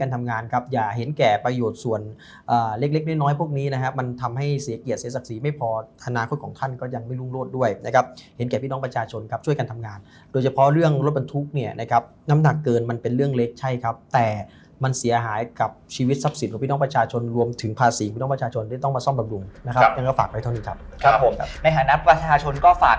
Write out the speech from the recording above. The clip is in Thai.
ธนาควดของท่านก็ยังไม่รุ่นรวดด้วยนะครับเห็นแก่พี่น้องประชาชนครับช่วยกันทำงานโดยเฉพาะเรื่องรถบรรทุกเนี่ยนะครับน้ำหนักเกินมันเป็นเรื่องเล็กใช่ครับแต่มันเสียหายกับชีวิตทรัพย์สิทธิ์ของพี่น้องประชาชนรวมถึงภาษีของพี่น้องประชาชนที่ต้องมาซ่อมบังรุงนะครับอย่างนั้นก็ฝาก